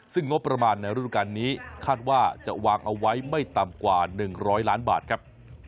ซึ่งงบประมาณในฤดูการนี้คาดว่าจะวางเอาไว้ไม่ต่ำกว่า๑๐๐ล้านบาทครับ